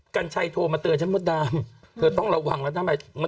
กัญชัยโทรมาเตือนฉันมดดำเธอต้องระวังแล้วทำไม